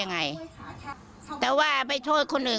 ยังไงแต่ว่าไปโทษคนอื่น